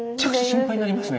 心配になりますよね？